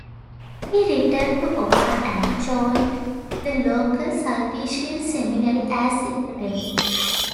He returned to Oka and joined the local Sulpician seminary as secretary.